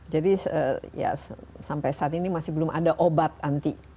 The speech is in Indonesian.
jadi sampai saat ini masih belum ada obat anti